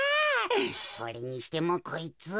それにしてもこいつ。